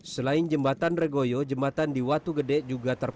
selain jembatan regoyo jembatan di watu gede juga terpaksa